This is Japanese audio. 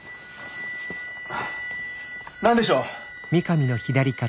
何でしょう？